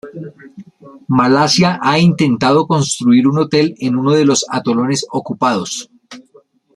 Malasia ha intentado construir un hotel en uno de los atolones ocupados.